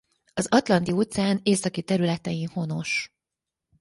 Az Atlanti-óceán északi területein honos.